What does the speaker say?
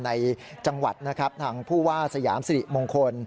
ในจังหวัดนะครับทางผู้ว่าสยามสิริมงคล